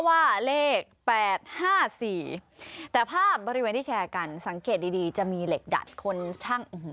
ว่าเลข๘๕๔แต่ภาพบริเวณที่แชร์กันสังเกตดีดีจะมีเหล็กดัดคนช่าง